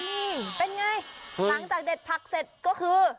นี่เป็นไงหลังจากเด็ดผักเสร็จก็คือ